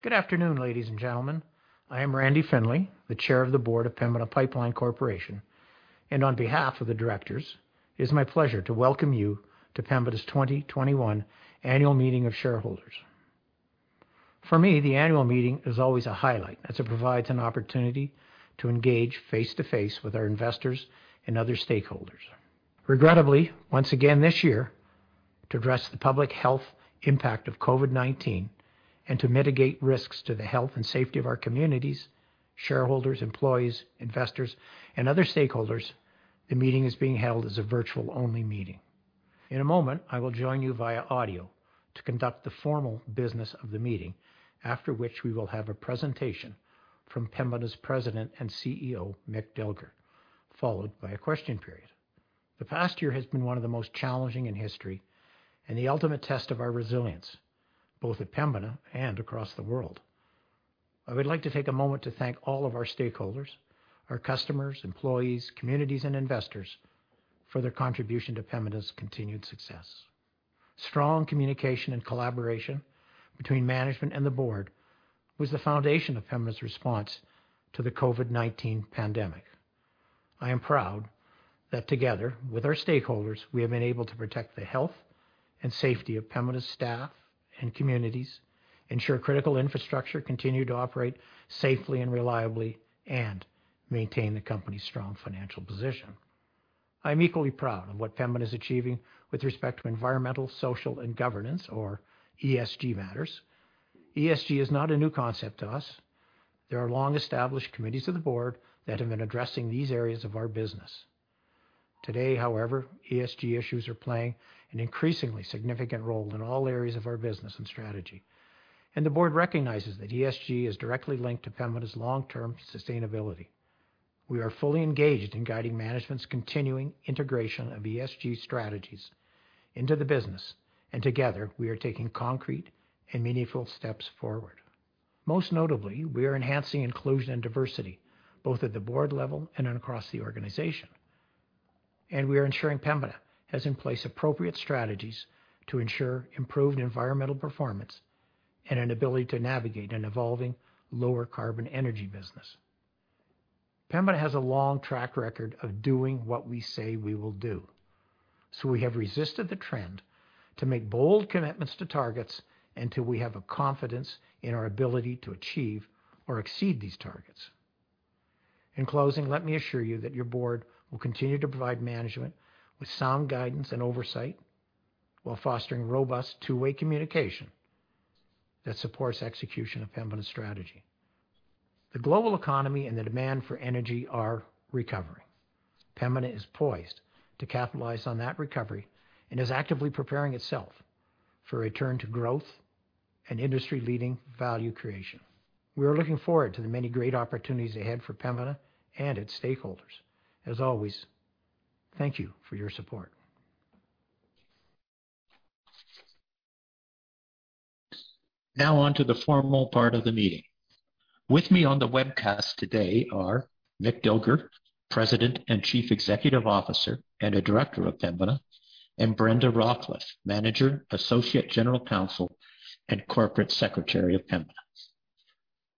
Good afternoon, ladies and gentlemen. I am Randall Findlay, the Chair of the Board of Pembina Pipeline Corporation, and on behalf of the directors, it is my pleasure to welcome you to Pembina's 2021 annual meeting of shareholders. For me, the annual meeting is always a highlight as it provides an opportunity to engage face-to-face with our investors and other stakeholders. Regrettably, once again this year, to address the public health impact of COVID-19, and to mitigate risks to the health and safety of our communities, shareholders, employees, investors, and other stakeholders, the meeting is being held as a virtual-only meeting. In a moment, I will join you via audio to conduct the formal business of the meeting, after which we will have a presentation from Pembina's President and CEO, Mick Dilger, followed by a question period. The past year has been one of the most challenging in history and the ultimate test of our resilience, both at Pembina and across the world. I would like to take a moment to thank all of our stakeholders, our customers, employees, communities, and investors for their contribution to Pembina's continued success. Strong communication and collaboration between management and the board was the foundation of Pembina's response to the COVID-19 pandemic. I am proud that together, with our stakeholders, we have been able to protect the health and safety of Pembina's staff and communities, ensure critical infrastructure continued to operate safely and reliably, and maintain the company's strong financial position. I'm equally proud of what Pembina's achieving with respect to environmental, social, and governance or ESG matters. ESG is not a new concept to us. There are long-established committees of the board that have been addressing these areas of our business. Today, however, ESG issues are playing an increasingly significant role in all areas of our business and strategy, and the board recognizes that ESG is directly linked to Pembina's long-term sustainability. We are fully engaged in guiding management's continuing integration of ESG strategies into the business, and together we are taking concrete and meaningful steps forward. Most notably, we are enhancing inclusion and diversity, both at the board level and across the organization, and we are ensuring Pembina has in place appropriate strategies to ensure improved environmental performance and an ability to navigate an evolving lower carbon energy business. Pembina has a long track record of doing what we say we will do, so we have resisted the trend to make bold commitments to targets until we have a confidence in our ability to achieve or exceed these targets. In closing, let me assure you that your board will continue to provide management with sound guidance and oversight while fostering robust two-way communication that supports execution of Pembina's strategy. The global economy and the demand for energy are recovering. Pembina is poised to capitalize on that recovery and is actively preparing itself for a return to growth and industry-leading value creation. We are looking forward to the many great opportunities ahead for Pembina and its stakeholders. As always, thank you for your support. Now on to the formal part of the meeting. With me on the webcast today are Mick Dilger, President and Chief Executive Officer, and a Director of Pembina, and Brenda Rawcliffe, Manager, Associate General Counsel, and Corporate Secretary of Pembina.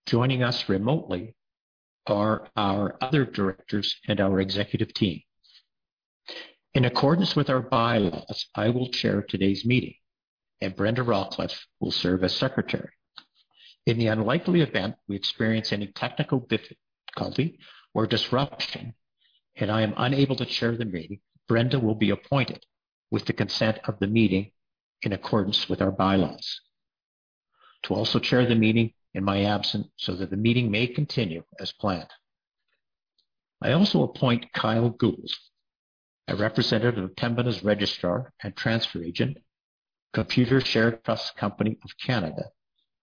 Joining us remotely are our other directors and our executive team. In accordance with our bylaws, I will chair today's meeting, and Brenda Rawcliffe will serve as Secretary. In the unlikely event we experience any technical difficulty or disruption and I am unable to chair the meeting, Brenda will be appointed with the consent of the meeting in accordance with our bylaws to also chair the meeting in my absence so that the meeting may continue as planned. I also appoint Kyle Gould, a representative of Pembina's registrar and transfer agent, Computershare Trust Company of Canada,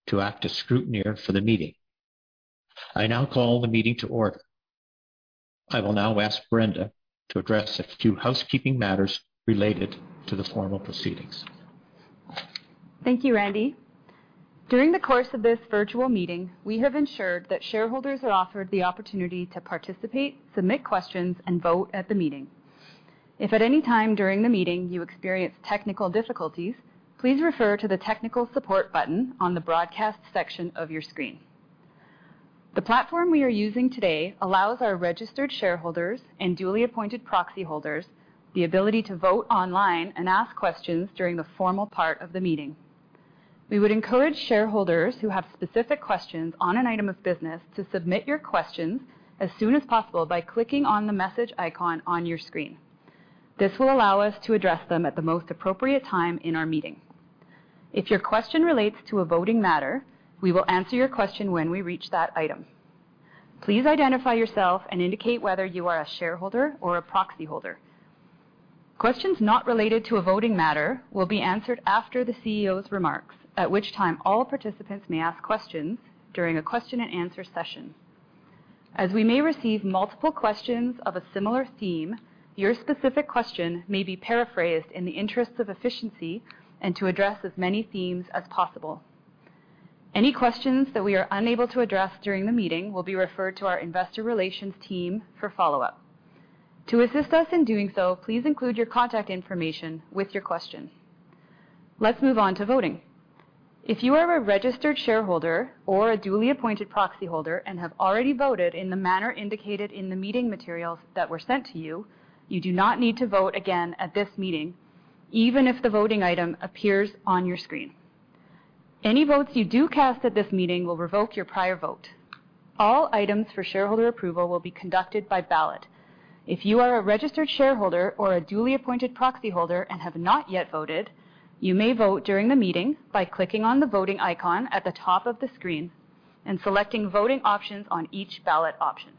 to act as scrutineer for the meeting. I now call the meeting to order. I will now ask Brenda to address a few housekeeping matters related to the formal proceedings. Thank you, Randy. During the course of this virtual meeting, we have ensured that shareholders are offered the opportunity to participate, submit questions, and vote at the meeting. If at any time during the meeting you experience technical difficulties, please refer to the technical support button on the broadcast section of your screen. The platform we are using today allows our registered shareholders and duly appointed proxy holders the ability to vote online and ask questions during the formal part of the meeting. We would encourage shareholders who have specific questions on an item of business to submit your questions as soon as possible by clicking on the message icon on your screen. This will allow us to address them at the most appropriate time in our meeting. If your question relates to a voting matter, we will answer your question when we reach that item. Please identify yourself and indicate whether you are a shareholder or a proxyholder. Questions not related to a voting matter will be answered after the CEO's remarks, at which time all participants may ask questions during a question and answer session. As we may receive multiple questions of a similar theme, your specific question may be paraphrased in the interest of efficiency and to address as many themes as possible. Any questions that we are unable to address during the meeting will be referred to our investor relations team for follow-up. To assist us in doing so, please include your contact information with your question. Let's move on to voting. If you are a registered shareholder or a duly appointed proxyholder and have already voted in the manner indicated in the meeting materials that were sent to you do not need to vote again at this meeting, even if the voting item appears on your screen. Any votes you do cast at this meeting will revoke your prior vote. All items for shareholder approval will be conducted by ballot. If you are a registered shareholder or a duly appointed proxyholder and have not yet voted, you may vote during the meeting by clicking on the voting icon at the top of the screen and selecting voting options on each ballot option.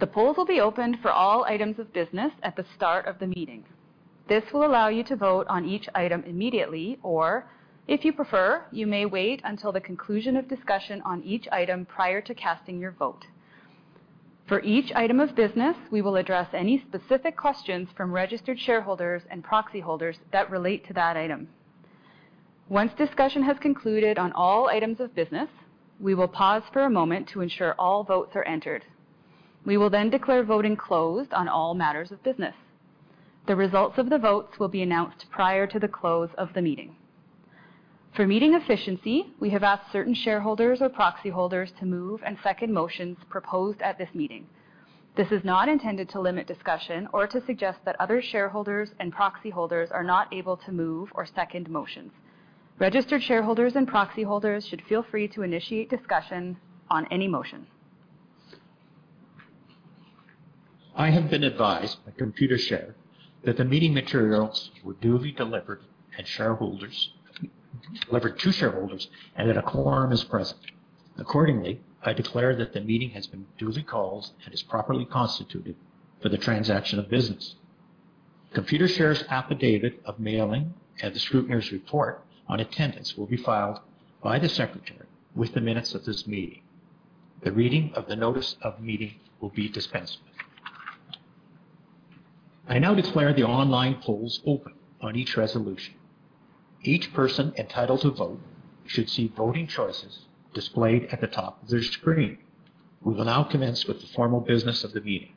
The polls will be opened for all items of business at the start of the meeting. This will allow you to vote on each item immediately, or if you prefer, you may wait until the conclusion of discussion on each item prior to casting your vote. For each item of business, we will address any specific questions from registered shareholders and proxy holders that relate to that item. Once discussion has concluded on all items of business, we will pause for a moment to ensure all votes are entered. We will declare voting closed on all matters of business. The results of the votes will be announced prior to the close of the meeting. For meeting efficiency, we have asked certain shareholders or proxy holders to move and second motions proposed at this meeting. This is not intended to limit discussion or to suggest that other shareholders and proxy holders are not able to move or second motions. Registered shareholders and proxy holders should feel free to initiate discussions on any motion. I have been advised by Computershare that the meeting materials were duly delivered to shareholders and that a quorum is present. Accordingly, I declare that the meeting has been duly called and is properly constituted for the transaction of business. Computershare's affidavit of mailing and the scrutineer's report on attendance will be filed by the secretary with the minutes of this meeting. The reading of the notice of meeting will be dispensed with. I now declare the online polls open on each resolution. Each person entitled to vote should see voting choices displayed at the top of their screen. We will now commence with the formal business of the meeting.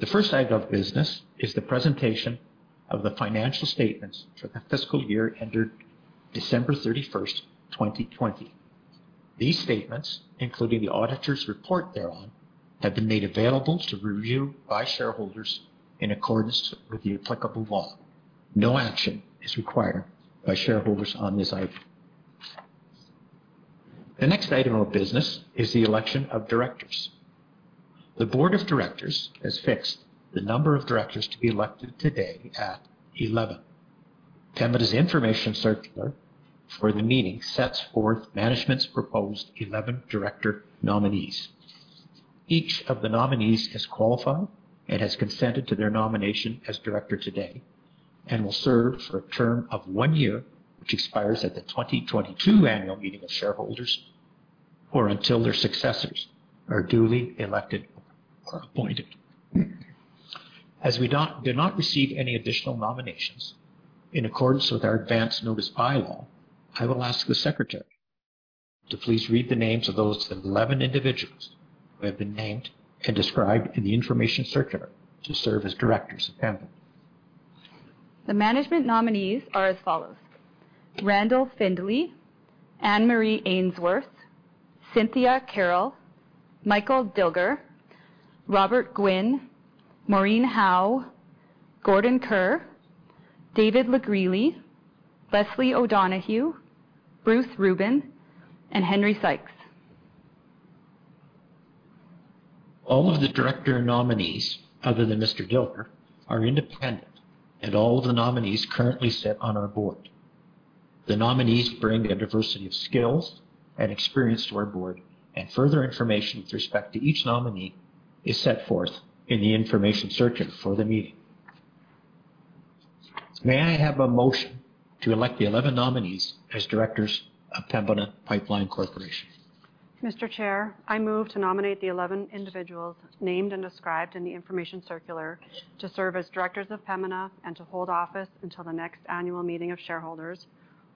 The first item of business is the presentation of the financial statements for the fiscal year ended December 31, 2020. These statements, including the auditor's report thereon, have been made available to review by shareholders in accordance with the applicable law. No action is required by shareholders on this item. The next item of business is the election of directors. The board of directors has fixed the number of directors to be elected today at 11. Pembina's information circular for the meeting sets forth management's proposed 11 director nominees. Each of the nominees has qualified and has consented to their nomination as director today and will serve for a term of one year, which expires at the 2022 annual meeting of shareholders, or until their successors are duly elected or appointed. As we did not receive any additional nominations, in accordance with our advance notice bylaw, I will ask the secretary to please read the names of those 11 individuals who have been named and described in the information circular to serve as directors of Pembina. The management nominees are as follows: Randall Findlay, Anne-Marie Ainsworth, Cynthia Carroll, Michael Dilger, Robert Gwin, Maureen Howe, Gordon J. Kerr, David LeGresley, Leslie O'Donoghue, Bruce Rubin, and Henry Sykes. All of the director nominees other than Mr. Dilger are independent, and all the nominees currently sit on our board. The nominees bring a diversity of skills and experience to our board, and further information with respect to each nominee is set forth in the information circular for the meeting. May I have a motion to elect the 11 nominees as directors of Pembina Pipeline Corporation? Mr. Chair, I move to nominate the 11 individuals named and described in the information circular to serve as directors of Pembina and to hold office until the next annual meeting of shareholders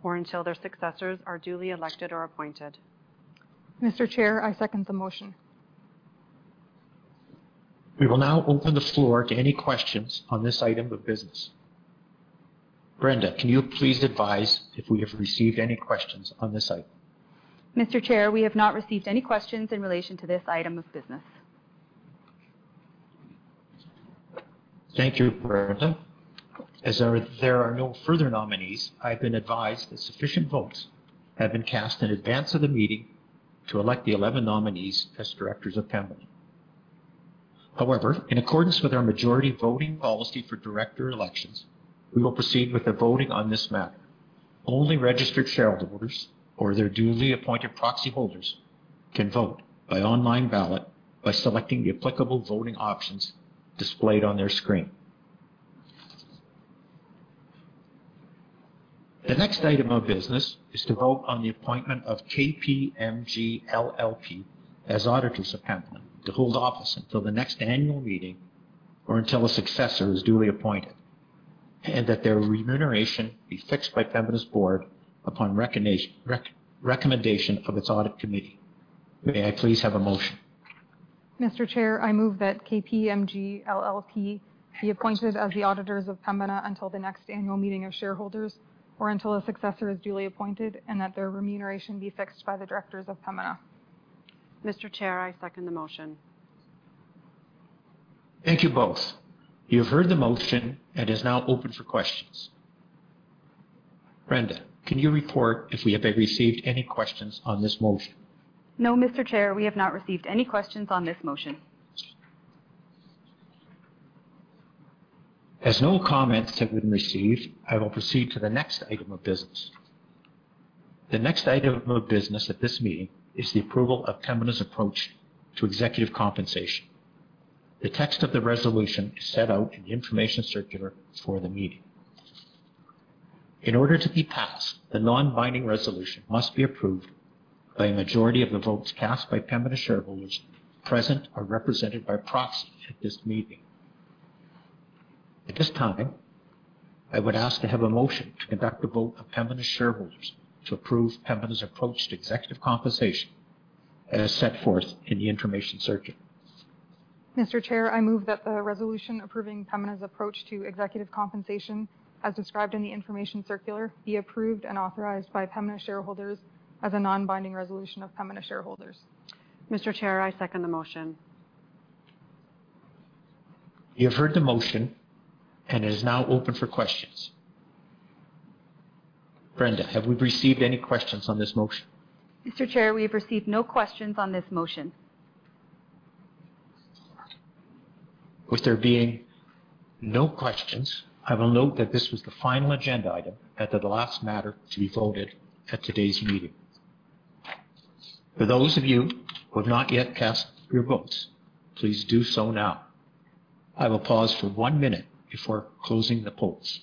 or until their successors are duly elected or appointed. Mr. Chair, I second the motion. We will now open the floor to any questions on this item of business. Brenda, can you please advise if we have received any questions on this item? Mr. Chair, we have not received any questions in relation to this item of business. Thank you, Brenda. As there are no further nominees, I've been advised that sufficient votes have been cast in advance of the meeting to elect the 11 nominees as directors of Pembina. However, in accordance with our majority voting policy for director elections, we will proceed with the voting on this matter. Only registered shareholders or their duly appointed proxy holders can vote by online ballot by selecting the applicable voting options displayed on their screen. The next item of business is to vote on the appointment of KPMG LLP as auditors of Pembina to hold office until the next annual meeting or until a successor is duly appointed. That their remuneration be fixed by Pembina's board upon recommendation of its audit committee. May I please have a motion? Mr. Chair, I move that KPMG LLP be appointed as the auditors of Pembina until the next annual meeting of shareholders, or until a successor is duly appointed, and that their remuneration be fixed by the directors of Pembina. Mr. Chair, I second the motion. Thank you both. You have heard the motion. It is now open for questions. Brenda, can you report if we have received any questions on this motion? No, Mr. Chair, we have not received any questions on this motion. As no comments have been received, I will proceed to the next item of business. The next item of business at this meeting is the approval of Pembina's approach to executive compensation. The text of the resolution is set out in the information circular for the meeting. In order to be passed, the non-binding resolution must be approved by a majority of the votes cast by Pembina shareholders present or represented by proxy at this meeting. At this time, I would ask to have a motion to conduct a vote of Pembina shareholders to approve Pembina's approach to executive compensation as set forth in the information circular. Mr. Chair, I move that the resolution approving Pembina's approach to executive compensation, as described in the information circular, be approved and authorized by Pembina shareholders as a non-binding resolution of Pembina shareholders. Mr. Chair, I second the motion. You have heard the motion. It is now open for questions. Brenda, have we received any questions on this motion? Mr. Chair, we have received no questions on this motion. With there being no questions, I will note that this was the final agenda item and that the last matter to be voted at today's meeting. For those of you who have not yet cast your votes, please do so now. I will pause for one minute before closing the polls.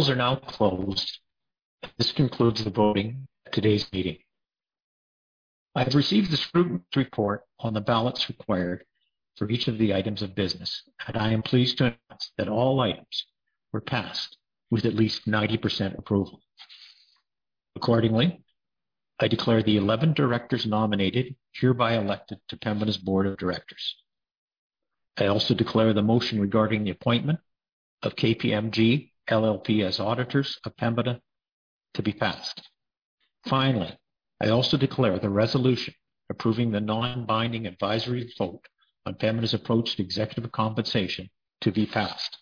The polls are now closed, and this concludes the voting at today's meeting. I have received the scrutiny report on the ballots required for each of the items of business, and I am pleased to announce that all items were passed with at least 90% approval. Accordingly, I declare the 11 directors nominated hereby elected to Pembina's board of directors. I also declare the motion regarding the appointment of KPMG LLP as auditors of Pembina to be passed. Finally, I also declare the resolution approving the non-binding advisory vote on Pembina's approach to executive compensation to be passed.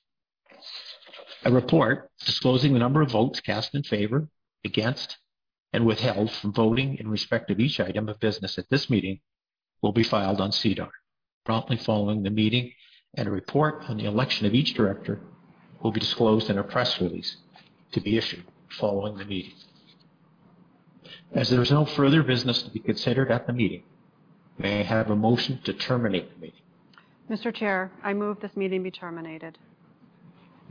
A report disclosing the number of votes cast in favor, against, and withheld from voting in respect of each item of business at this meeting will be filed on SEDAR promptly following the meeting, and a report on the election of each director will be disclosed in a press release to be issued following the meeting. As there is no further business to be considered at the meeting, may I have a motion to terminate the meeting? Mr. Chair, I move this meeting be terminated.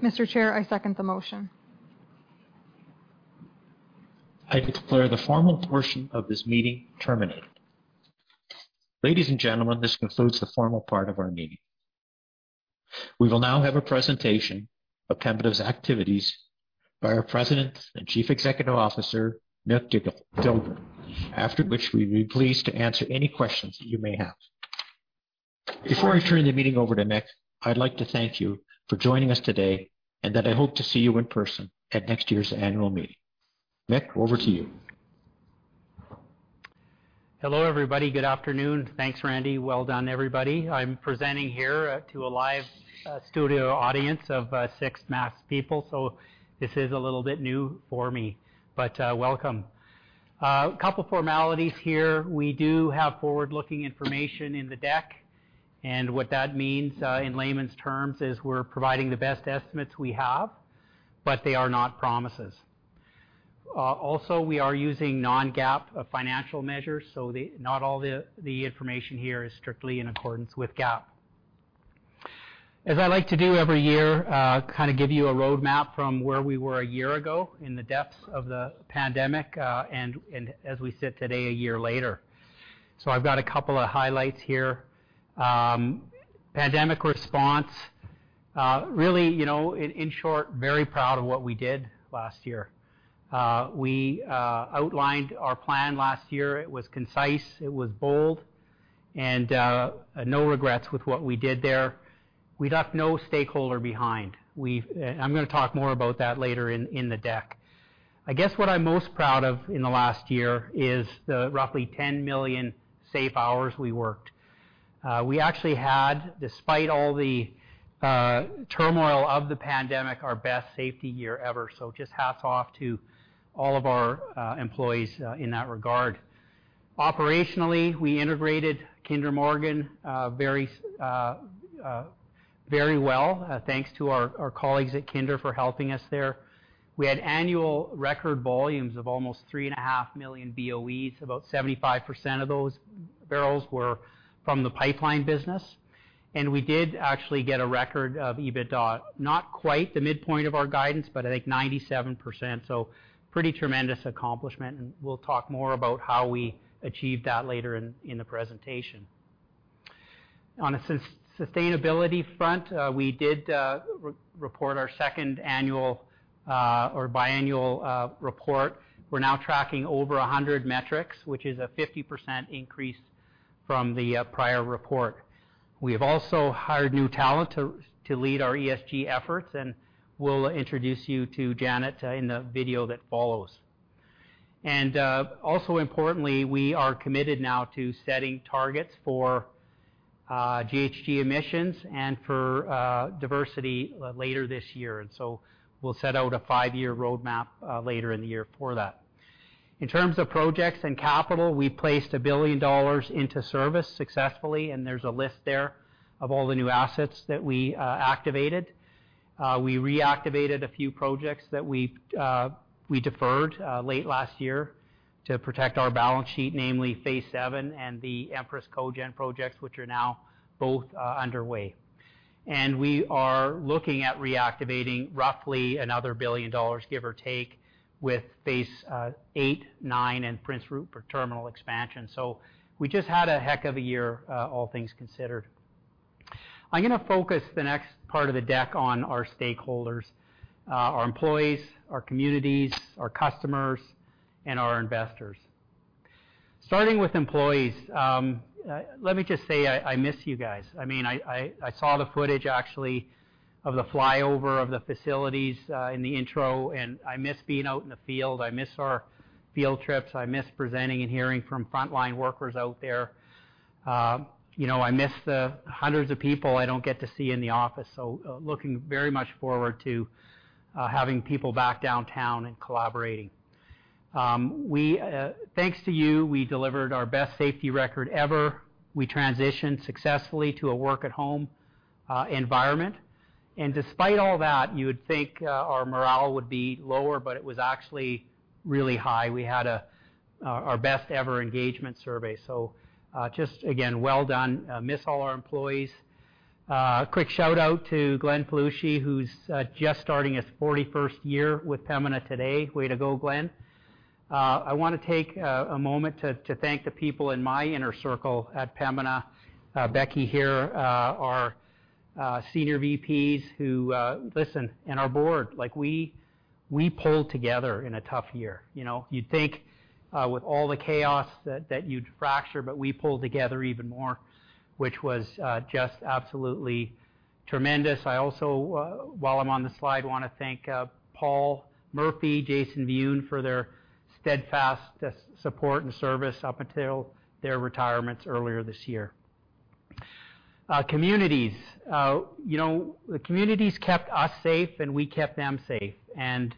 Mr. Chair, I second the motion. I declare the formal portion of this meeting terminated. Ladies and gentlemen, this concludes the formal part of our meeting. We will now have a presentation of Pembina's activities by our President and Chief Executive Officer, Mick Dilger, after which we'd be pleased to answer any questions that you may have. Before I turn the meeting over to Mick, I'd like to thank you for joining us today, and that I hope to see you in person at next year's annual meeting. Mick, over to you. Hello, everybody. Good afternoon. Thanks, Randy. Well done, everybody. I'm presenting here to a live studio audience of six masked people, so this is a little bit new for me. Welcome. A couple formalities here. We do have forward-looking information in the deck, and what that means in layman's terms is we're providing the best estimates we have, but they are not promises. Also, we are using non-GAAP financial measures, so not all the information here is strictly in accordance with GAAP. As I like to do every year, kind of give you a roadmap from where we were a year ago in the depths of the pandemic, and as we sit today, a year later. I've got a couple of highlights here. Pandemic response. Really, in short, very proud of what we did last year. We outlined our plan last year. It was concise. It was bold. No regrets with what we did there. We left no stakeholder behind. I'm going to talk more about that later in the deck. I guess what I'm most proud of in the last year is the roughly 10 million safe hours we worked. We actually had, despite all the turmoil of the pandemic, our best safety year ever. Just hats off to all of our employees in that regard. Operationally, we integrated Kinder Morgan very well, thanks to our colleagues at Kinder for helping us there. We had annual record volumes of almost 3.5 million BOE about 75% of those barrels were from the pipeline business. We did actually get a record of EBITDA. Not quite the midpoint of our guidance, I think 97%. Pretty tremendous accomplishment. We'll talk more about how we achieved that later in the presentation. On a sustainability front, we did report our second annual or biannual report. We're now tracking over 100 metrics, which is a 50% increase from the prior report. We have also hired new talent to lead our ESG efforts, we'll introduce you to Janet in the video that follows. Importantly, we are committed now to setting targets for GHG emissions and for diversity later this year, we'll set out a five-year roadmap later in the year for that. In terms of projects and capital, we placed 1 billion dollars into service successfully, there's a list there of all the new assets that we activated. We reactivated a few projects that we deferred late last year to protect our balance sheet, namely Phase VII and the Empress Cogen projects, which are now both underway. We are looking at reactivating roughly another 1 billion dollars, give or take, with Phase VIII, IX, and Prince Rupert terminal expansion. We just had a heck of a year, all things considered. I'm going to focus the next part of the deck on our stakeholders, our employees, our communities, our customers, and our investors. Starting with employees, let me just say I miss you guys. I saw the footage, actually, of the flyover of the facilities in the intro, and I miss being out in the field. I miss our field trips. I miss presenting and hearing from frontline workers out there. I miss the hundreds of people I don't get to see in the office. Looking very much forward to having people back downtown and collaborating. Thanks to you, we delivered our best safety record ever. We transitioned successfully to a work-at-home environment. Despite all that, you would think our morale would be lower, but it was actually really high. We had our best ever engagement survey. Just again, well done. Miss all our employees. Quick shout-out to Glenn Pelushi, who's just starting his 41st year with Pembina today. Way to go, Glenn. I want to take a moment to thank the people in my inner circle at Pembina. Becky here, our senior VPs who listen, and our board. We pulled together in a tough year. You'd think with all the chaos that you'd fracture, but we pulled together even more, which was just absolutely tremendous. I also, while I'm on the slide, want to thank Paul Murphy, Jason Wiun for their steadfast support and service up until their retirements earlier this year. Communities. The communities kept us safe, we kept them safe, and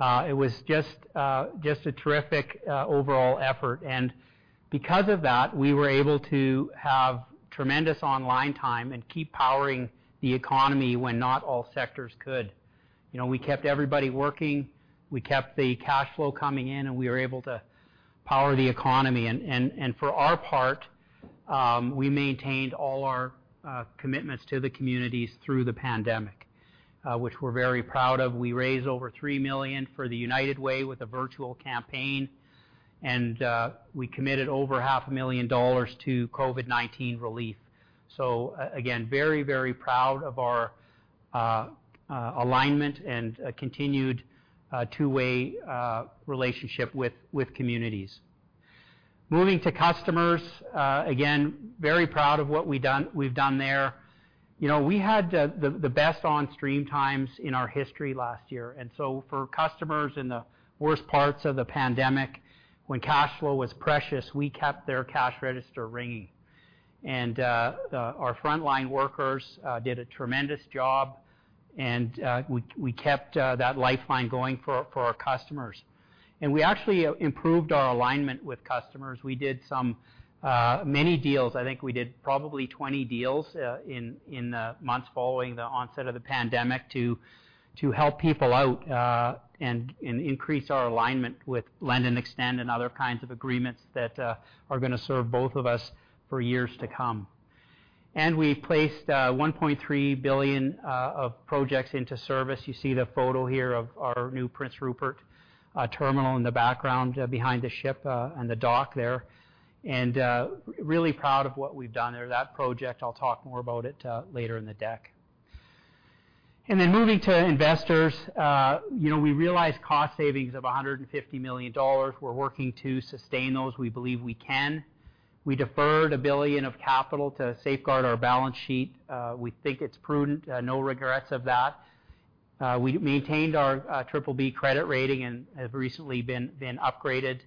it was just a terrific overall effort. Because of that, we were able to have tremendous online time and keep powering the economy when not all sectors could. We kept everybody working. We kept the cash flow coming in, and we were able to power the economy. For our part, we maintained all our commitments to the communities through the pandemic, which we're very proud of. We raised over 3 million for the United Way with a virtual campaign, and we committed over half a million CAD to COVID-19 relief. Again, very proud of our alignment and continued two-way relationship with communities. Moving to customers, again, very proud of what we've done there. We had the best on-stream times in our history last year. For customers in the worst parts of the pandemic, when cash flow was precious, we kept their cash register ringing. Our frontline workers did a tremendous job, and we kept that lifeline going for our customers. We actually improved our alignment with customers, we did many deals. I think we did probably 20 deals in the months following the onset of the pandemic to help people out and increase our alignment with lend and extend and other kinds of agreements that are going to serve both of us for years to come. We placed 1.3 billion of projects into service. You see the photo here of our new Prince Rupert terminal in the background behind the ship and the dock there. Really proud of what we've done there that project, I'll talk more about it later in the deck. Moving to investors. We realized cost savings of 150 million dollars. We're working to sustain those. We believe we can. We deferred 1 billion of capital to safeguard our balance sheet. We think it's prudent, no regrets of that. We maintained our BBB credit rating and have recently been upgraded.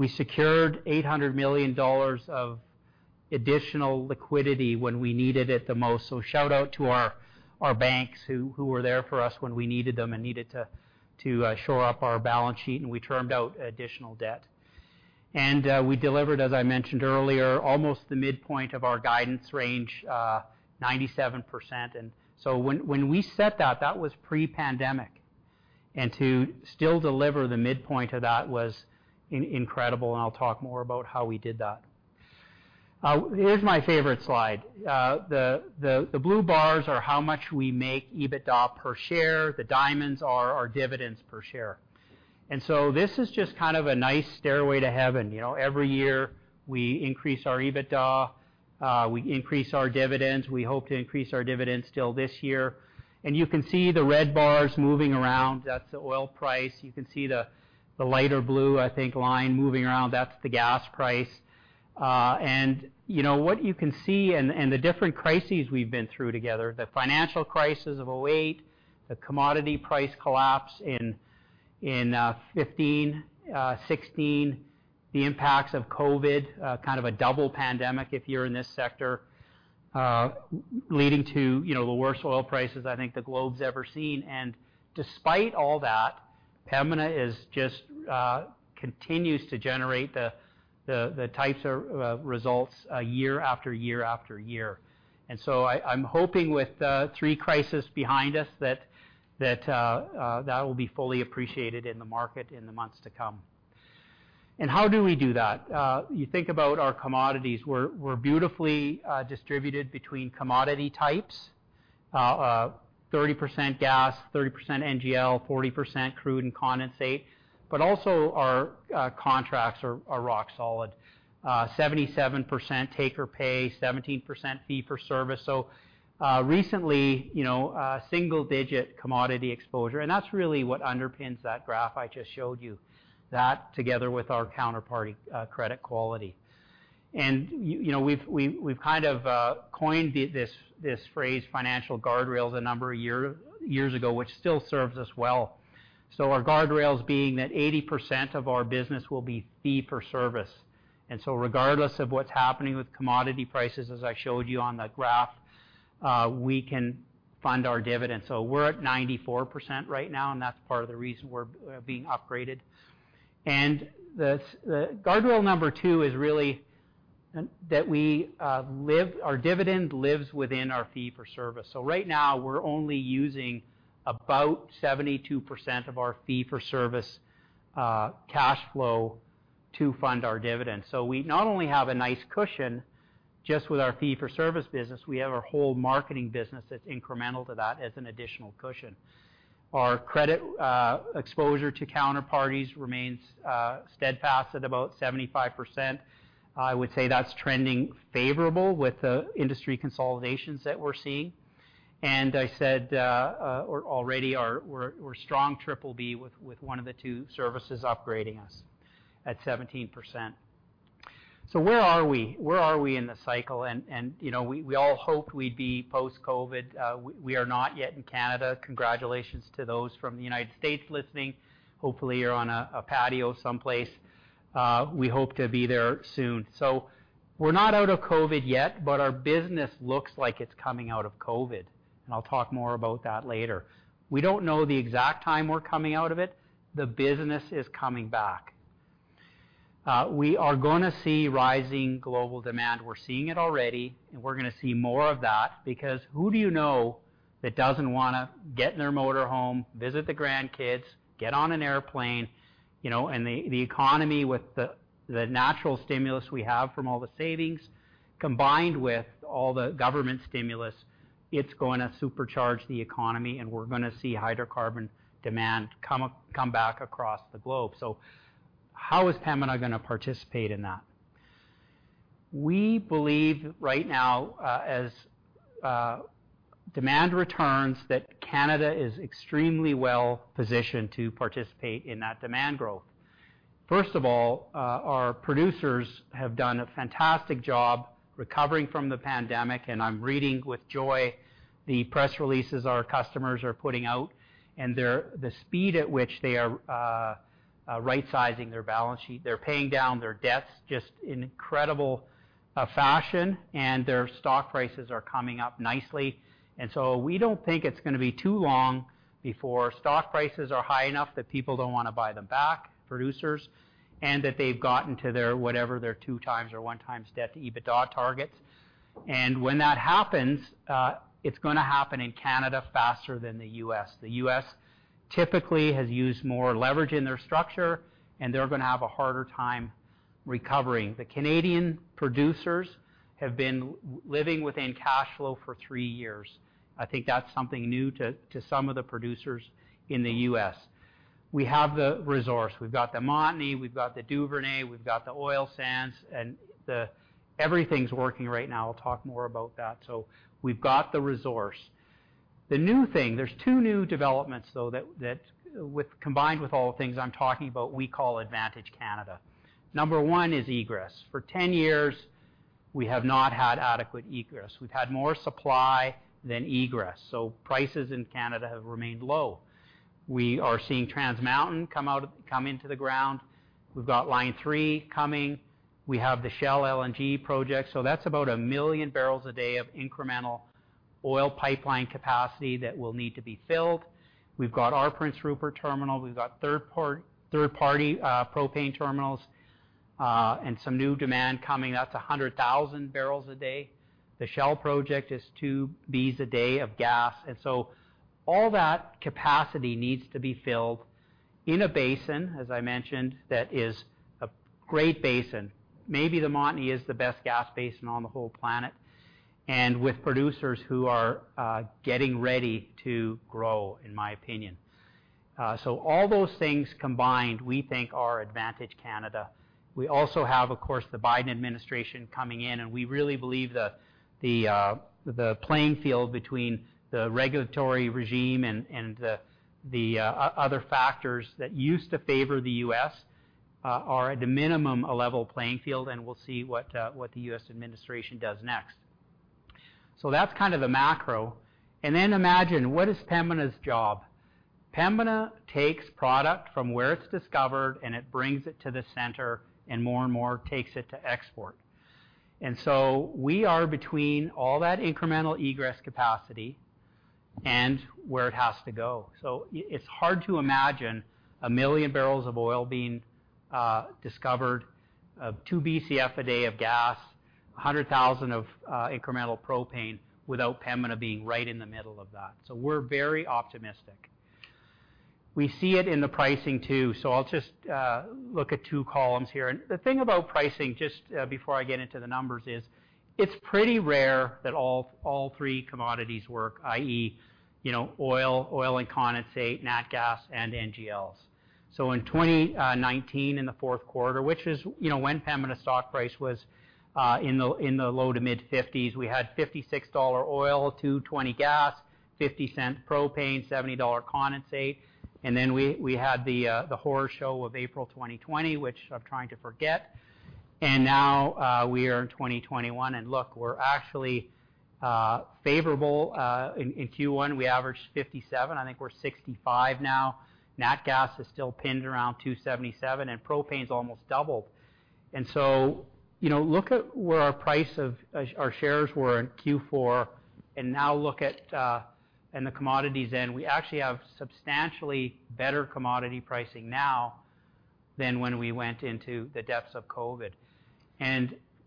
We secured 800 million dollars of additional liquidity when we needed it the most. Shout out to our banks who were there for us when we needed them and needed to shore up our balance sheet, and we termed out additional debt. We delivered, as I mentioned earlier, almost the midpoint of our guidance range, 97%. When we set that was pre-pandemic, and to still deliver the midpoint of that was incredible, and I'll talk more about how we did that. Here's my favorite slide. The blue bars are how much we make EBITDA per share. The diamonds are our dividends per share. This is just kind of a nice stairway to heaven. Every year we increase our EBITDA, we increase our dividends. We hope to increase our dividends still this year. You can see the red bars moving around. That's the oil price. You can see the lighter blue, I think, line moving around that's the gas price. What you can see and the different crises we've been through together, the financial crisis of 2008, the commodity price collapse in 2015, 2016, the impacts of COVID-19, kind of a double pandemic if you're in this sector, leading to the worst oil prices I think the globe's ever seen. Despite all that, Pembina just continues to generate the types of results year, after year, after year. I'm hoping with the three crisis behind us, that will be fully appreciated in the market in the months to come. How do we do that? You think about our commodities. We're beautifully distributed between commodity types, 30% gas, 30% NGL, 40% crude and condensate. Also, our contracts are rock solid. 77% take-or-pay, 17% fee-for-service. Recently, single-digit commodity exposure, and that's really what underpins that graph I just showed you. That, together with our counterparty credit quality. We've kind of coined this phrase, financial guardrails, a number of years ago, which still serves us well. Our guardrails being that 80% of our business will be fee-for-service. Regardless of what's happening with commodity prices, as I showed you on the graph, we can fund our dividend. We're at 94% right now, and that's part of the reason we're being upgraded. The guardrail number two is really that our dividend lives within our fee-for-service. Right now, we're only using about 72% of our fee-for-service cash flow to fund our dividends. We not only have a nice cushion just with our fee-for-service business, we have our whole marketing business that's incremental to that as an additional cushion. Our credit exposure to counterparties remains steadfast at about 75%. I would say that's trending favorably with the industry consolidations that we're seeing. I said already we're strong BBB with one of the two services upgrading us at 17%. Where are we? Where are we in the cycle? We all hoped we'd be post-COVID. We are not yet in Canada. Congratulations to those from the United States listening. Hopefully, you're on a patio someplace. We hope to be there soon. We're not out of COVID yet, but our business looks like it's coming out of COVID, and I'll talk more about that later. We don't know the exact time we're coming out of it. The business is coming back. We are going to see rising global demand. We're seeing it already, and we're going to see more of that because who do you know that doesn't want to get in their motor home, visit the grandkids, get on an airplane. The economy with the natural stimulus we have from all the savings, combined with all the government stimulus, it's going to supercharge the economy, and we're going to see hydrocarbon demand come back across the globe. How is Pembina going to participate in that? We believe right now, as demand returns, that Canada is extremely well-positioned to participate in that demand growth. First of all, our producers have done a fantastic job recovering from the pandemic, and I'm reading with joy the press releases our customers are putting out and the speed at which they are rightsizing their balance sheet. They're paying down their debts just in incredible fashion, and their stock prices are coming up nicely. We don't think it's going to be too long before stock prices are high enough that people don't want to buy them back, producers, and that they've gotten to their, whatever their two times or one times debt to EBITDA targets. When that happens, it's going to happen in Canada faster than the U.S. The U.S. typically has used more leverage in their structure, and they're going to have a harder time recovering. The Canadian producers have been living within cash flow for three years. I think that's something new to some of the producers in the U.S. We have the resource. We've got the Montney, we've got the Duvernay, we've got the oil sands. Everything's working right now. I'll talk more about that. We've got the resource. The new thing, there's two new developments, though, that combined with all the things I'm talking about, we call Advantage Canada. Number one is egress. For 10 years, we have not had adequate egress. We've had more supply than egress, prices in Canada have remained low. We are seeing Trans Mountain come into the ground. We've got Line three coming. We have the Shell LNG project. That's about 1 million barrels a day of incremental oil pipeline capacity that will need to be filled. We've got our Prince Rupert terminal, we've got third-party propane terminals, and some new demand coming. That's 100,000 barrels a day. The Shell project is two Bs a day of gas. All that capacity needs to be filled in a basin, as I mentioned, that is a great basin. Maybe the Montney is the best gas basin on the whole planet. With producers who are getting ready to grow, in my opinion. All those things combined, we think, are Advantage Canada. We also have, of course, the Biden administration coming in, and we really believe the playing field between the regulatory regime and the other factors that used to favor the U.S. are at the minimum, a level playing field, and we'll see what the U.S. administration does next. That's kind of the macro. Imagine, what is Pembina's job? Pembina takes product from where it's discovered, and it brings it to the center, and more and more takes it to export. We are between all that incremental egress capacity and where it has to go. It's hard to imagine 1 million barrels of oil being discovered, 2 Bcf a day of gas, 100,000 of incremental propane without Pembina Pipeline Corporation being right in the middle of that. We're very optimistic. We see it in the pricing too. I'll just look at two columns here. The thing about pricing, just before I get into the numbers, is it's pretty rare that all three commodities work, i.e., oil and condensate, nat gas, and NGLs. In 2019, in the fourth quarter, which is when Pembina Pipeline Corporation's stock price was in the low to mid-50s. We had 56 dollar oil, 2.20 gas, 0.50 propane, 70 dollar condensate. We had the horror show of April 2020, which I'm trying to forget. Now, we are in 2021, and look, we're actually favorable. In Q1, we averaged 57. I think we're 65 now. Nat gas is still pinned around 2.77, and propane's almost doubled. Look at where our price of our shares were in Q4 and now look at the commodities in. We actually have substantially better commodity pricing now than when we went into the depths of COVID.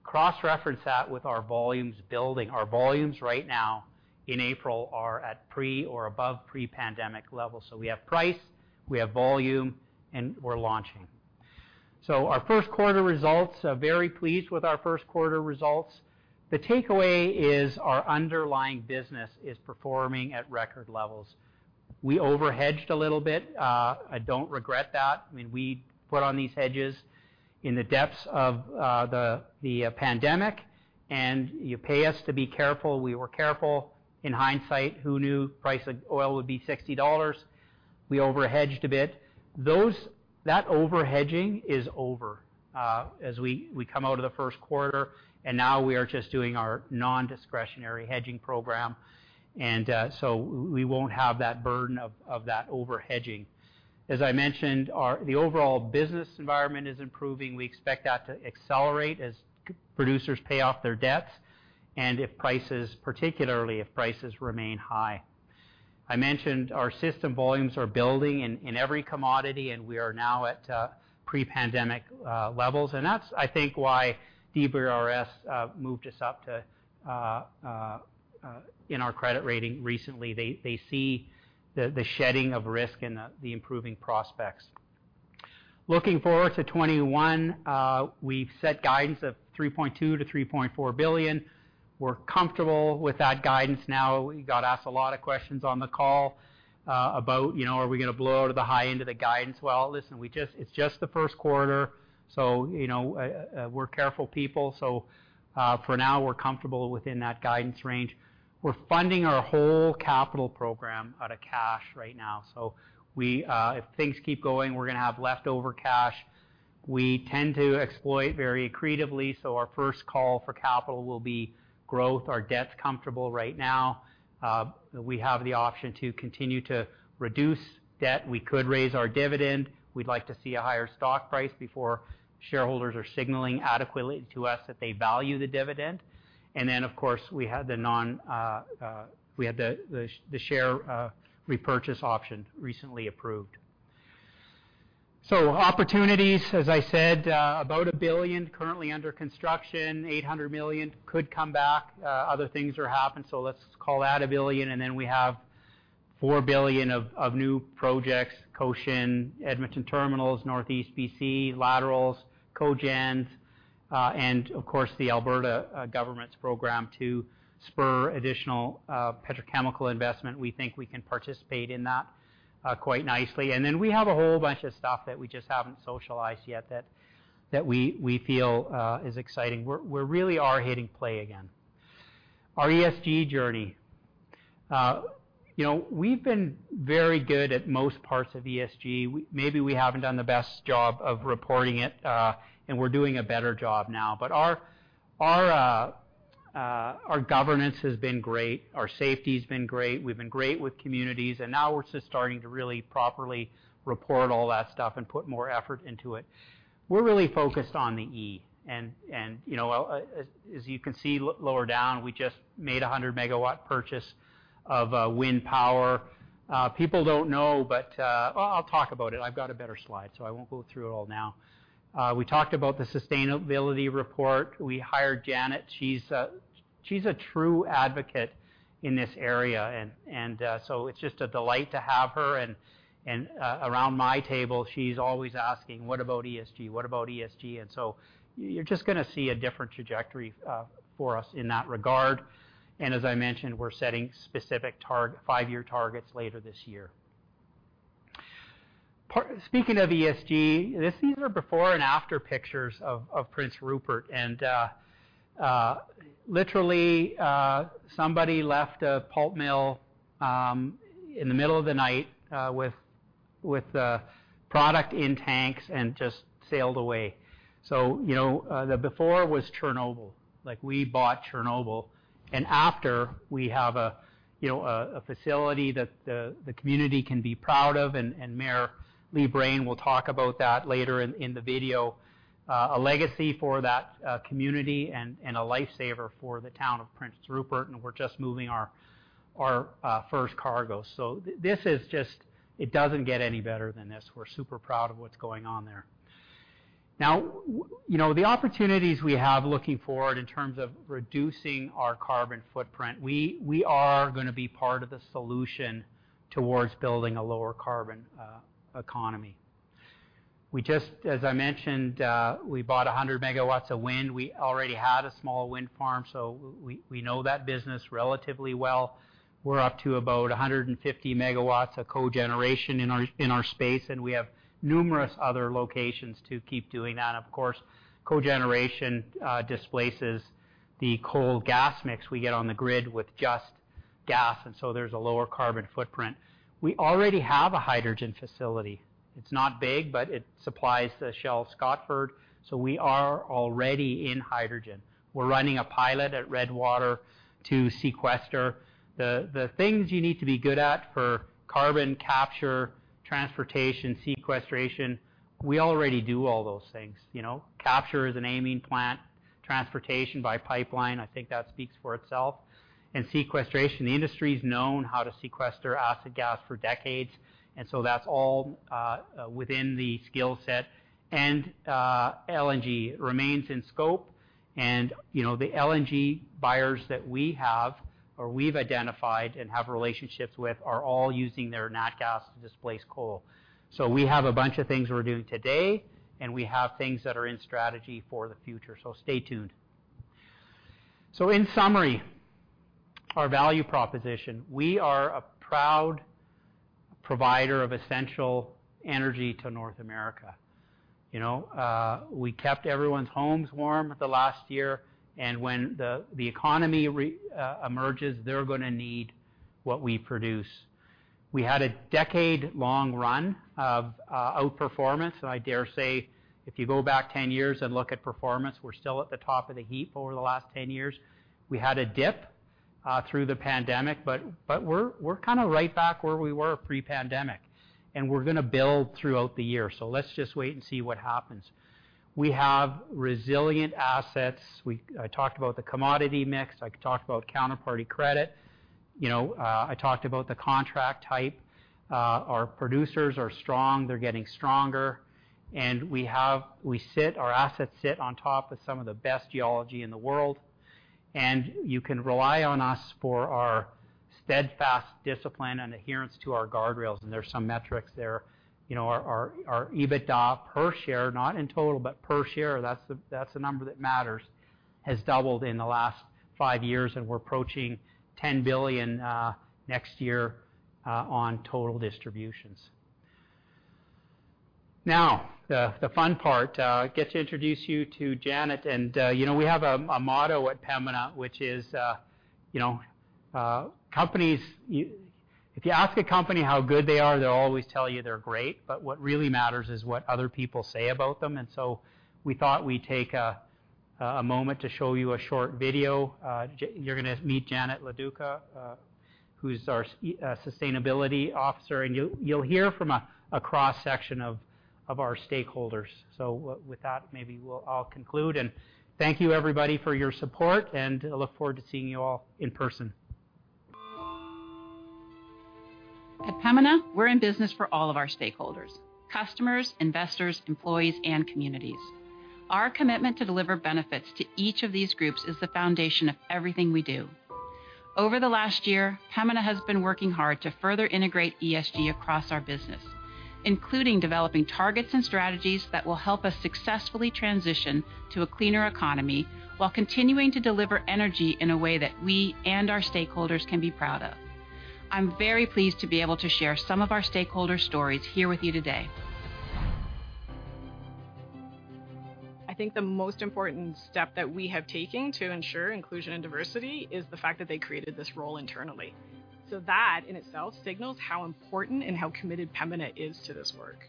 Cross-reference that with our volumes building. Our volumes right now in April are at pre or above pre-pandemic levels. We have price, we have volume, and we're launching. Our first quarter results, very pleased with our first quarter results. The takeaway is our underlying business is performing at record levels. We over-hedged a little bit. I don't regret that. We put on these hedges in the depths of the pandemic, and you pay us to be careful. We were careful. In hindsight, who knew price of oil would be 60 dollars? We over-hedged a bit. That over-hedging is over as we come out of the first quarter, and now we are just doing our non-discretionary hedging program. So we won't have that burden of that over-hedging. As I mentioned, the overall business environment is improving. We expect that to accelerate as producers pay off their debts, and particularly if prices remain high. I mentioned our system volumes are building in every commodity, and we are now at pre-pandemic levels. That's, I think, why DBRS moved us up in our credit rating recently. They see the shedding of risk and the improving prospects. Looking forward to 2021, we've set guidance of 3.2 billion-3.4 billion. We're comfortable with that guidance now. We got asked a lot of questions on the call about are we going to blow out of the high end of the guidance. Well, listen, it's just the first quarter. We're careful people. For now, we're comfortable within that guidance range. We're funding our whole capital program out of cash right now. If things keep going, we're going to have leftover cash. We tend to exploit very creatively, so our first call for capital will be growth. Our debt's comfortable right now. We have the option to continue to reduce debt. We could raise our dividend. We'd like to see a higher stock price before shareholders are signaling adequately to us that they value the dividend. Then, of course, we had the share repurchase option recently approved. Opportunities, as I said, about 1 billion currently under construction, 800 million could come back. Other things are happening. Let's call that 1 billion, and then we have 4 billion of new projects, Cochin, Edmonton terminals, Northeast B.C., laterals, cogens, and of course, the Alberta government's program to spur additional petrochemical investment. We think we can participate in that quite nicely. We have a whole bunch of stuff that we just haven't socialized yet that we feel is exciting. We really are hitting play again. Our ESG journey. We've been very good at most parts of ESG. Maybe we haven't done the best job of reporting it, and we're doing a better job now. Our governance has been great, our safety's been great, we've been great with communities, and now we're just starting to really properly report all that stuff and put more effort into it. We're really focused on the E. As you can see, lower down, we just made a 100-megawatt purchase of wind power. People don't know. Well, I'll talk about it. I've got a better slide. I won't go through it all now. We talked about the sustainability report. We hired Janet Loduca. She's a true advocate in this area. It's just a delight to have her. Around my table, she's always asking, "What about ESG? What about ESG?" You're just going to see a different trajectory for us in that regard. As I mentioned, we're setting specific five-year targets later this year. Speaking of ESG, these are before and after pictures of Prince Rupert. Literally, somebody left a pulp mill in the middle of the night with product in tanks and just sailed away. The before was Chernobyl, we bought Chernobyl. After, we have a facility that the community can be proud of, and Mayor Lee Brain will talk about that later in the video. A legacy for that community and a lifesaver for the town of Prince Rupert, and we're just moving our first cargo. This is just, it doesn't get any better than this. We're super proud of what's going on there. Now, the opportunities we have looking forward in terms of reducing our carbon footprint, we are going to be part of the solution towards building a lower carbon economy. As I mentioned, we bought 100 MW of wind. We already had a small wind farm, so we know that business relatively well. We're up to about 150 MW of cogeneration in our space, and we have numerous other locations to keep doing that. Of course, cogeneration displaces the coal gas mix we get on the grid with just gas, and so there's a lower carbon footprint. We already have a hydrogen facility. It's not big, but it supplies to Shell Scotford, so we are already in hydrogen. We're running a pilot at Redwater to sequester. The things you need to be good at for carbon capture, transportation, sequestration, we already do all those things. Capture is an amine plant. Transportation by pipeline, I think that speaks for itself, and sequestration. The industry's known how to sequester acid gas for decades, and so that's all within the skillset. LNG remains in scope, and the LNG buyers that we have or we've identified and have relationships with are all using their nat gas to displace coal. We have a bunch of things we're doing today, and we have things that are in strategy for the future, stay tuned. In summary, our value proposition. We are a proud provider of essential energy to North America. We kept everyone's homes warm the last year, and when the economy emerges, they're going to need what we produce. We had a decade-long run of outperformance, and I dare say if you go back 10 years and look at performance, we're still at the top of the heap over the last 10 years. We had a dip through the pandemic, we're kind of right back where we were pre-pandemic, we're going to build throughout the year. Let's just wait and see what happens. We have resilient assets. I talked about the commodity mix. I talked about counterparty credit. I talked about the contract type. Our producers are strong. They're getting stronger. Our assets sit on top of some of the best geology in the world. You can rely on us for our steadfast discipline and adherence to our guardrails, and there are some metrics there. Our EBITDA per share, not in total, but per share, that's the number that matters, has doubled in the last five years, and we're approaching 10 billion next year on total distributions. Now, the fun part. I get to introduce you to Janet. We have a motto at Pembina, which is, if you ask a company how good they are, they'll always tell you they're great, but what really matters is what other people say about them. We thought we'd take a moment to show you a short video. You're going to meet Janet Loduca, who's our sustainability officer, and you'll hear from a cross-section of our stakeholders. With that, maybe I'll conclude and thank you everybody for your support, and I look forward to seeing you all in person. At Pembina, we're in business for all of our stakeholders, customers, investors, employees, and communities. Our commitment to deliver benefits to each of these groups is the foundation of everything we do. Over the last year, Pembina has been working hard to further integrate ESG across our business, including developing targets and strategies that will help us successfully transition to a cleaner economy while continuing to deliver energy in a way that we and our stakeholders can be proud of. I'm very pleased to be able to share some of our stakeholder stories here with you today. I think the most important step that we have taken to ensure inclusion and diversity is the fact that they created this role internally. That, in itself, signals how important and how committed Pembina is to this work.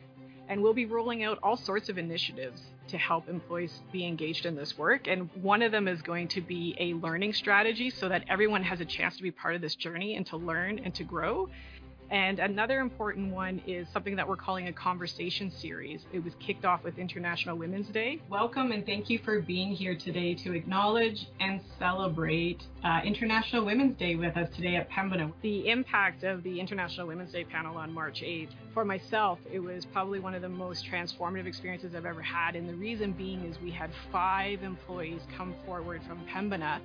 We'll be rolling out all sorts of initiatives to help employees be engaged in this work. One of them is going to be a learning strategy so that everyone has a chance to be part of this journey and to learn and to grow. Another important one is something that we're calling a conversation series. It was kicked off with International Women's Day. Welcome, and thank you for being here today to acknowledge and celebrate International Women's Day with us today at Pembina. The impact of the International Women's Day panel on March 8th, for myself, it was probably one of the most transformative experiences I've ever had. The reason being is we had five employees come forward from Pembina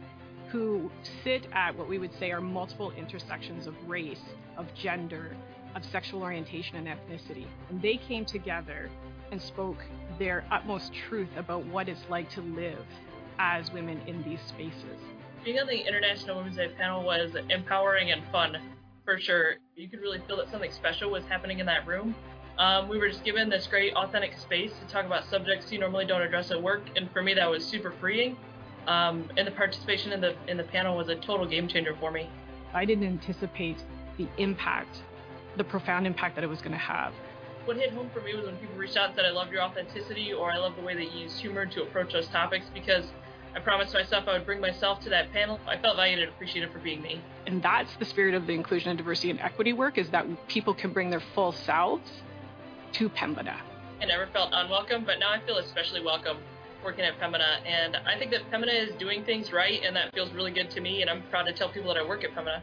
who sit at what we would say are multiple intersections of race, of gender, of sexual orientation, and ethnicity. They came together and spoke their utmost truth about what it's like to live as women in these spaces. Being on the International Women's Day panel was empowering and fun, for sure. You could really feel that something special was happening in that room. We were just given this great, authentic space to talk about subjects you normally don't address at work, and for me, that was super freeing. The participation in the panel was a total game changer for me. I didn't anticipate the impact, the profound impact, that it was going to have. What hit home for me was when people reached out and said, "I love your authenticity," or, "I love the way that you used humor to approach those topics," because I promised myself I would bring myself to that panel. I felt valued and appreciated for being me. That's the spirit of the inclusion and diversity and equity work is that people can bring their full selves to Pembina. I never felt unwelcome, but now I feel especially welcome working at Pembina, and I think that Pembina is doing things right, and that feels really good to me. I'm proud to tell people that I work at Pembina.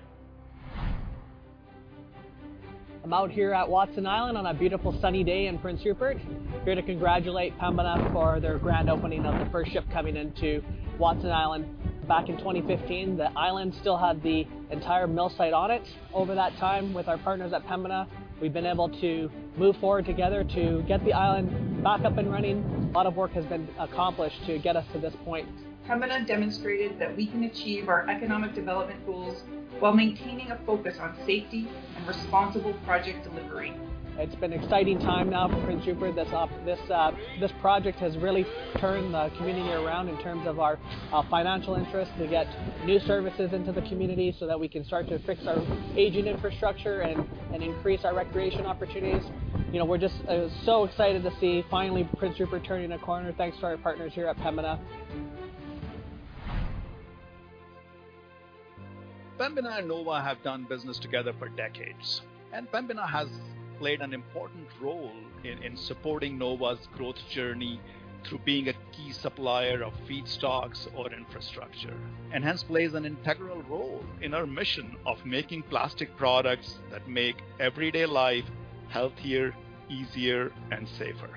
I'm out here at Watson Island on a beautiful sunny day in Prince Rupert. Here to congratulate Pembina for their grand opening of the first ship coming into Watson Island. Back in 2015, the island still had the entire mill site on it. Over that time, with our partners at Pembina, we've been able to move forward together to get the island back up and running. A lot of work has been accomplished to get us to this point. Pembina demonstrated that we can achieve our economic development goals while maintaining a focus on safety and responsible project delivery. It's been an exciting time now for Prince Rupert. This project has really turned the community around in terms of our financial interest to get new services into the community so that we can start to fix our aging infrastructure and increase our recreation opportunities. We're just so excited to see finally Prince Rupert turning a corner, thanks to our partners here at Pembina. Pembina and NOVA have done business together for decades, and Pembina has played an important role in supporting NOVA's growth journey through being a key supplier of feedstocks or infrastructure. Hence plays an integral role in our mission of making plastic products that make everyday life healthier, easier, and safer.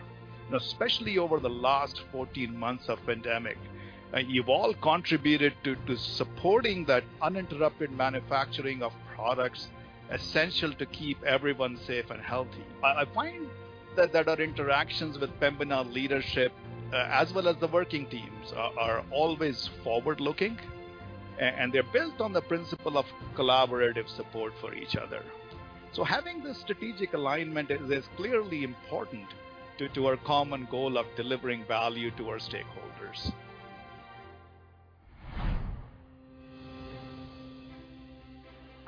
Now, especially over the last 14 months of pandemic, you've all contributed to supporting that uninterrupted manufacturing of products essential to keep everyone safe and healthy. I find that our interactions with Pembina leadership, as well as the working teams, are always forward-looking, and they're built on the principle of collaborative support for each other. Having this strategic alignment is clearly important to our common goal of delivering value to our stakeholders.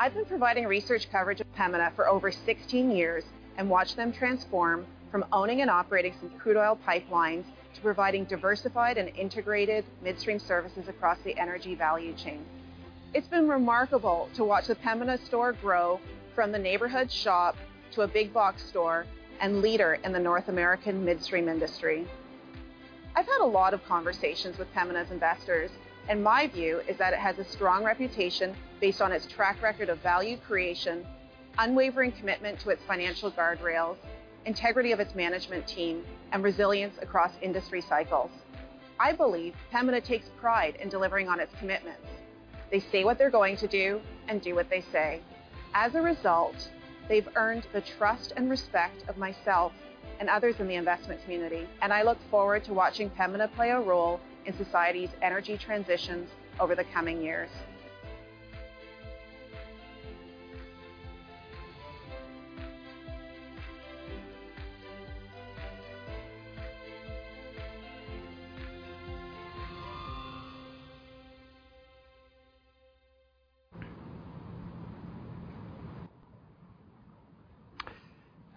I've been providing research coverage of Pembina for over 16 years and watched them transform from owning and operating some crude oil pipelines to providing diversified and integrated midstream services across the energy value chain. It's been remarkable to watch the Pembina story grow from the neighborhood shop to a big box store and leader in the North American midstream industry. I've had a lot of conversations with Pembina's investors, and my view is that it has a strong reputation based on its track record of value creation, unwavering commitment to its financial guardrails, integrity of its management team, and resilience across industry cycles. I believe Pembina takes pride in delivering on its commitments. They say what they're going to do and do what they say. As a result, they've earned the trust and respect of myself and others in the investment community, and I look forward to watching Pembina play a role in society's energy transitions over the coming years.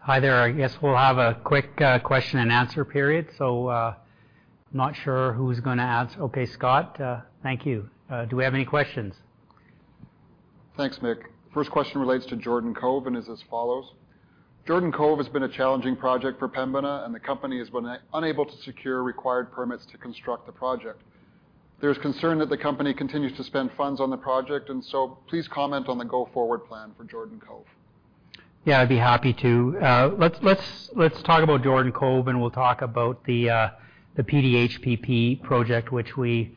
Hi there. I guess we'll have a quick question and answer period, so I'm not sure who's going to ask. Okay, Scott, thank you. Do we have any questions? Thanks, Mick. First question relates to Jordan Cove and is as follows. Jordan Cove has been a challenging project for Pembina, and the company has been unable to secure required permits to construct the project. There's concern that the company continues to spend funds on the project, and so please comment on the go-forward plan for Jordan Cove. Yeah, I'd be happy to. Let's talk about Jordan Cove, and we'll talk about the PDH/PP project, which we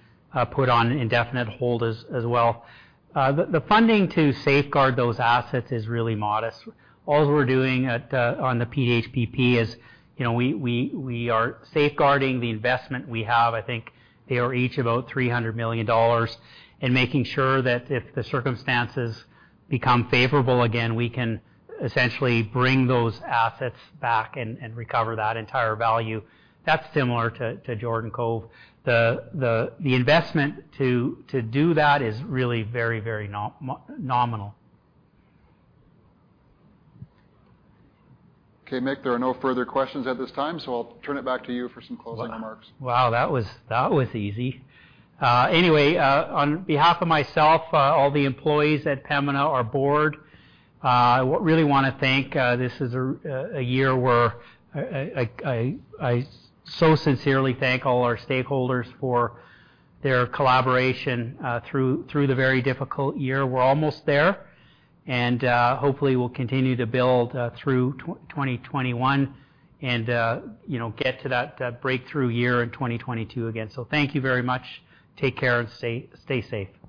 put on indefinite hold as well. The funding to safeguard those assets is really modest. All we're doing on the PDH/PP is we are safeguarding the investment we have, I think they are each about 300 million dollars, and making sure that if the circumstances become favorable again, we can essentially bring those assets back and recover that entire value. That's similar to Jordan Cove. The investment to do that is really very, very nominal. Okay, Mick, there are no further questions at this time. I'll turn it back to you for some closing remarks. Wow. That was easy. Anyway, on behalf of myself, all the employees at Pembina, our board, this is a year where I so sincerely thank all our stakeholders for their collaboration through the very difficult year. We're almost there, and hopefully, we'll continue to build through 2021 and get to that breakthrough year in 2022 again. Thank you very much. Take care and stay safe.